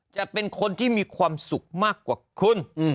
จะเป็นคนที่มีความสุขมากกว่าคุณ